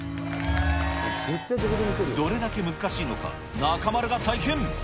どれだけ難しいのか、中丸が体験。